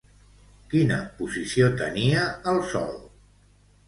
Quina posició tenia el sol?